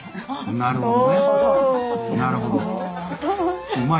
なるほど。